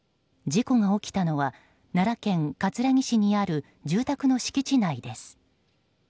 事故が起きたのは奈良県葛城市にある住宅の敷地内です。